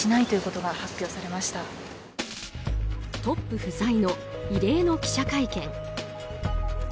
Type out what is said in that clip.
トップ不在の異例の記者会見。